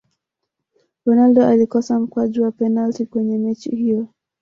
ronaldo alikosa mkwaju wa penati kwenye mechi hiyo